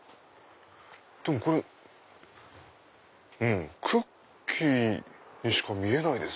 でもこれクッキーにしか見えないですね。